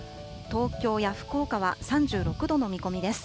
東京や福岡は３６度の見込みです。